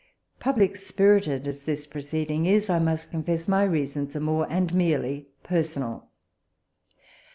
Public spirited as this proceeding is, I must confess my reasons are more and merely personal.